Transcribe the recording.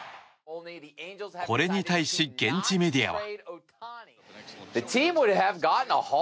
これに対し現地メディアは。